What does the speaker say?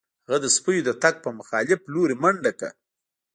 هغه د سپیو د تګ په مخالف لوري منډه کړه